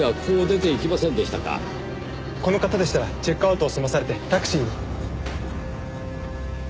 この方でしたらチェックアウトを済まされてタクシーに。